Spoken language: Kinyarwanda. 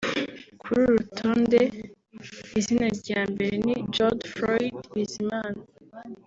Kuri uru rutonde izina rya mbere ni Godefroid Bizimana